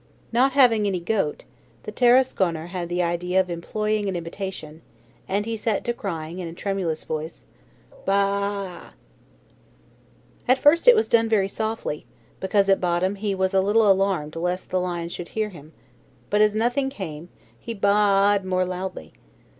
Not having any goat, the Tarasconer had the idea of employing an imitation, and he set to crying in a tremulous voice: "Baa a a!" At first it was done very softly, because at bottom he was a little alarmed lest the lion should hear him; but as nothing came, he baa ed more loudly.